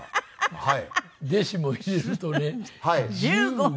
はい。